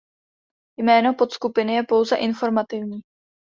Jméno podskupiny je pouze informativní.